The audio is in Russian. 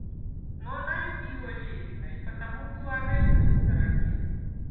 Но она любила Левина и потому была на его стороне.